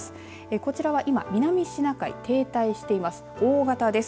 こちらは今南シナ海に停滞してます。